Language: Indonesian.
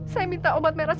saya minta obat merah